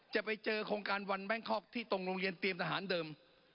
จะไปเจอโครงการวันแบงคอกที่ตรงโรงเรียนเตรียมทหารเดิม